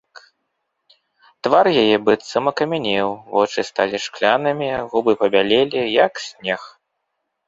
Твар яе быццам акамянеў, вочы сталі шклянымі, губы пабялелі, як снег.